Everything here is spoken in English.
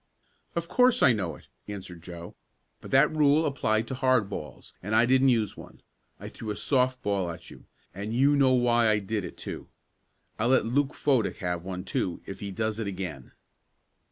"Of course I know it," answered Joe. "But that rule applied to hard balls, and I didn't use one. I threw a soft ball at you, and you know why I did it, too. I'll let Luke Fodick have one, too, if he does it again."